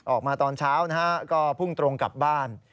ออกมาตอนเช้านะฮะก็พุ่งตรงกลับบ้าน